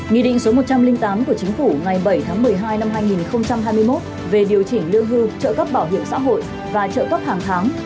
nghị định số một trăm linh tám của chính phủ ngày bảy tháng một mươi hai năm hai nghìn hai mươi một về điều chỉnh lương hưu trợ cấp bảo hiểm xã hội và trợ cấp hàng tháng